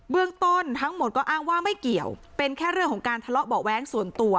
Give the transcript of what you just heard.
เรื่องต้นทั้งหมดก็อ้างว่าไม่เกี่ยวเป็นแค่เรื่องของการทะเลาะเบาะแว้งส่วนตัว